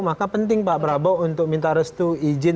maka penting pak prabowo untuk minta restu izin